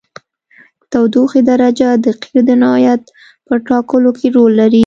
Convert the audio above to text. د تودوخې درجه د قیر د نوعیت په ټاکلو کې رول لري